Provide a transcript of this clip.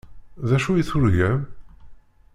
D acu i turgam?